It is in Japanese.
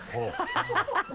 ハハハ